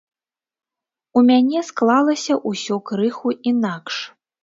У мяне склалася ўсё крыху інакш.